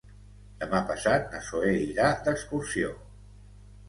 Demà passat na Zoè irà d'excursió.